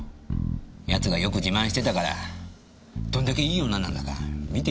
奴がよく自慢してたからどんだけいい女なんだか見てみたくて。